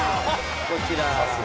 こちら。